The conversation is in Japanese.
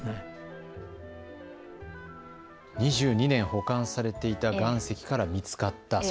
２２年保管されていたされていた岩石から見つかった。